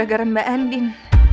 semua gara gara mba endin